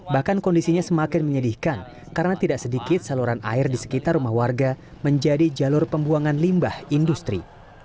bahkan kondisinya semakin menyedihkan karena tidak sedikit saluran air di sekitar rumah warga menjadi jalur pembuangan limbah industri